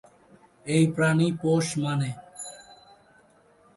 এই প্রাণী পোষ মানে।